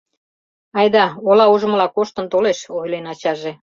Айда, ола ужмыла коштын толеш, — ойлен ачаже.